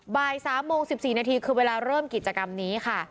บ่าย๓โมง๑๔นาทีคือเวลาเริ่มกิจกรรมนี้ค่ะ